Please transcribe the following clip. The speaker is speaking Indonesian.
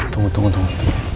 tunggu tunggu tunggu